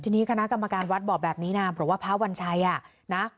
ทีนี้คณะกรรมการวัดบอกแบบนี้นะบอกว่าพระวัญชัยอ่ะนะ